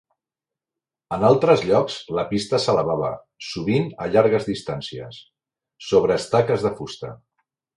En altres llocs, la pista s'elevava, sovint a llargues distàncies, sobre estaques de fusta.